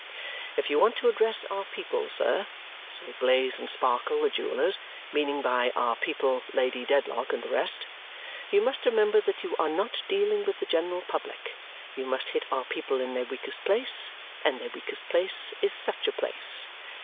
"If you want to address our people, sir," say Blaze and Sparkle, the jewellers meaning by our people Lady Dedlock and the rest "you must remember that you are not dealing with the general public; you must hit our people in their weakest place, and their weakest place is such a place."